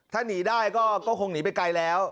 ถ้าหนีได้ก็คงหนีไปไกลแล้ว